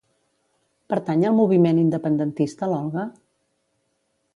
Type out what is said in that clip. Pertany al moviment independentista l'Olga?